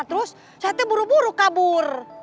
terus saatnya buru buru kabur